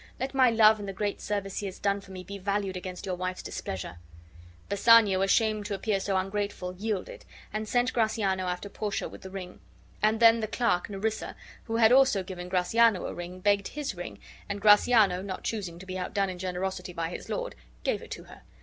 Let My love and the great service he has done for me be valued against your wife's displeasure." Bassanio, ashamed to appear so ungrateful, yielded, and sent Gratiano after Portia with the ring; and then the "clerk" Nerissa, who had also given Gratiano a ring, begged his ring, and Gratiano (not choosing to be outdone in generosity by his lord) gave it to her.